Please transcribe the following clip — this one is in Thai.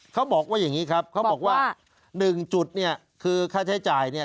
เขาบอกว่าอย่างนี้ครับเขาบอกว่า๑จุดเนี่ยคือค่าใช้จ่ายเนี่ย